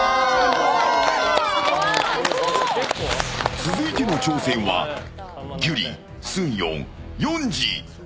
続いての挑戦はギュリ、スンヨン、ヨンジ。